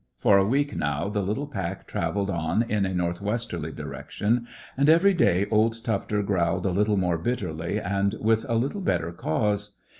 For a week now the little pack travelled on in a north westerly direction, and every day old Tufter growled a little more bitterly and with a little better cause.